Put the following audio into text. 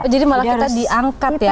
jadi malah kita diangkat ya